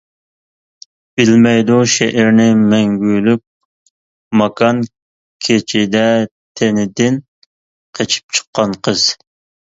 بىلمەيدۇ شېئىرنى مەڭگۈلۈك ماكان كېچىدە تېنىدىن قېچىپ چىققان قىز.